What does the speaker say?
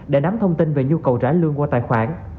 để nắm thông tin về nhu cầu trả lương qua tài khoản